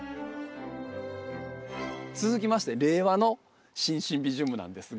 続きまして令和の新シンビジウムなんですが。